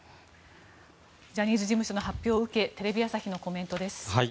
ジャニーズ事務所の発表を受けテレビ朝日のコメントです。